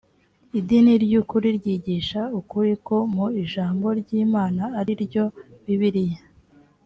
idini ry ukuri ryigisha ukuri ko mu ijambo ry imana ari ryo bibiliya